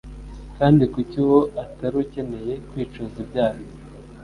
Kandi kuki uwo utari ukeneye kwicuza ibyaha